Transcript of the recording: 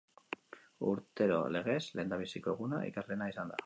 Urtero legez, lehendabiziko eguna ikasleena izan da.